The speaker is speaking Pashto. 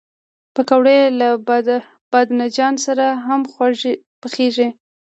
پکورې له بادنجان سره هم پخېږي